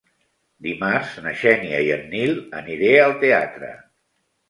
Dimarts na Xènia i en Nil aniré al teatre.